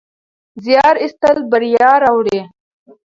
زیار ایستل بریا راوړي.